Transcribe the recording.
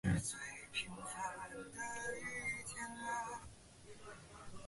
这个镶嵌代表一个双曲的四次反射万花筒。